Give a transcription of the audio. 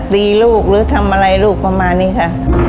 ลูกหรือทำอะไรลูกประมาณนี้ค่ะ